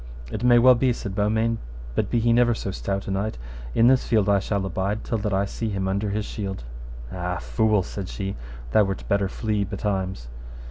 It may well be, said Beaumains, but be he never so stout a knight, in this field I shall abide till that I see him under his shield. Ah, fool, said she, thou wert better flee betimes.